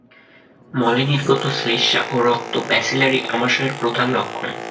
মলে নির্গত শ্লেষ্মা ও রক্ত ব্যাসিলারি আমাশয়ের প্রধান লক্ষণ।